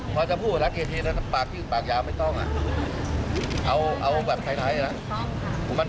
พอจะพูดละเอ๊อนำปากหนิไม่ต้องเอาแบบไทยไทยนะ